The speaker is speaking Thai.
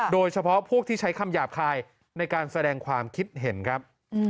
โดยเฉพาะพวกที่ใช้คำหยาบคายในการแสดงความคิดเห็นครับ